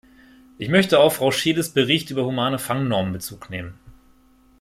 Ich möchte auf Frau Scheeles Bericht über humane Fangnormen Bezug nehmen.